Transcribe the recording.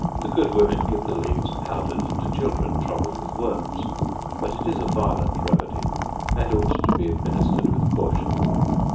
The good women give the leaves powdered to children troubled with worms; but it is a violent remedy, and ought to be administered with caution.